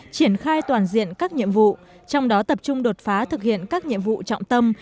triển khai toàn diện các nhiệm vụ trong đó tập trung đột phá thực hiện các nhiệm vụ trọng tâm